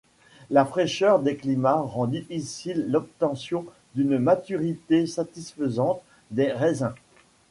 La fraîcheur des climats rend difficile l'obtention d'une maturité satisfaisante des raisins.